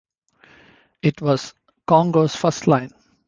It was Congo's first line.